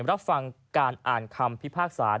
รับฟังการอ่านคำพิพากษา